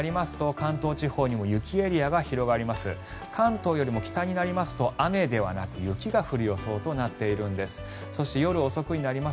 関東よりも北になりますと雨ではなく、雪が降る予想となっているんです。